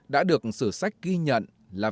đã được sử sách ghi nhận là